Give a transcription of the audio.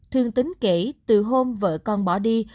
thương tín kể từ hôm vợ con bỏ đi